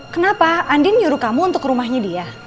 kenapa andin nyuruh kamu untuk rumahnya dia